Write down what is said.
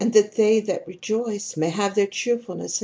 that they that rejoice may have their cheerfulness !